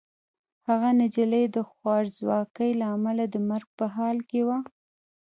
هغه نجلۍ د خوارځواکۍ له امله د مرګ په حال کې وه.